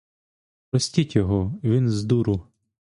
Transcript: Простіть його: він здуру!